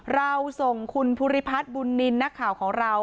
เราส่งคุณภูริพัฒน์บุญนินทร์นักข่าวของเรา